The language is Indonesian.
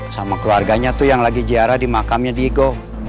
sama keluarganya tuh yang lagi ziarah di makamnya diego